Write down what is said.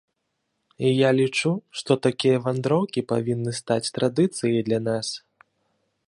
Я лічу, што такія вандроўкі павінны стаць традыцыяй для нас.